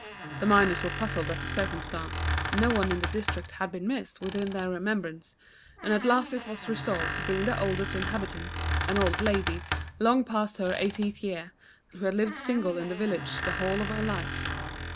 The miners were puzzled at the circumstance; no one in the district had been missed within their remembrance; and at last it was resolved to bring the oldest inhabitant an old lady, long past her eightieth year, who had lived single in the village the whole of her life.